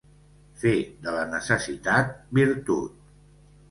Fer de la necessitat virtut.